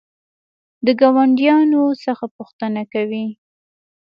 د ګاونډیانو څخه پوښتنه کوئ؟